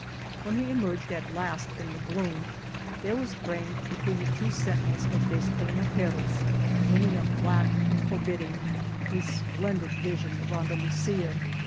When we emerged at last from the gloom, there was framed between the two sentinels of Despenaperros, looming up black and for bidding, a splendid vision of Andalusia.